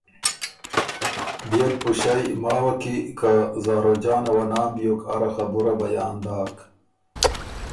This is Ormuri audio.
بيې ل پُݭئ ماوه کی که زاروجانه وه نام بیوک اره خبُره بیان داک